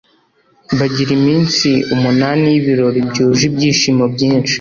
bagira iminsi umunani y'ibirori byuje ibyishimo byinshi